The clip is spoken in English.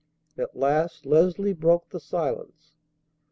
At last Leslie broke the silence.